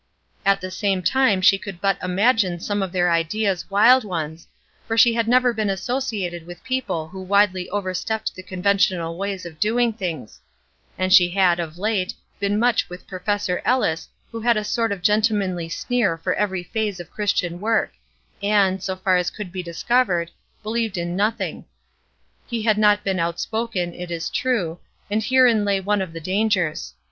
At the same time she could but imagine some of their ideas wild ones, for she had never been associated with people who widely overstepped the conventional ways of doing things; and she had, of late, been much with Professor Ellis who had a sort of gentlemanly sneer for every phase of Christian work, and, so far as could be discovered, believed in nothing. He had not been outspoken, it is true, and herein lay one of the dangers.